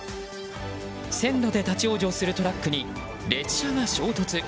線路で立ち往生するトラックに列車が衝突。